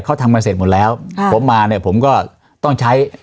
เขาทำกันเสร็จหมดแล้วผมมาเนี่ยผมก็ต้องใช้